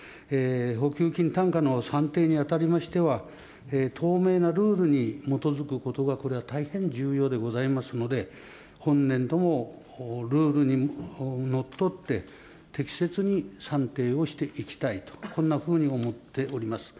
補給金単価の算定に当たりましては、透明なルールに基づくことが、これは大変重要でございますので、本年度もルールにのっとって、適切に算定をしていきたいと、こんなふうに思っております。